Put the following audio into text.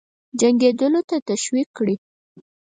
جنګېدلو ته تشویق کړي.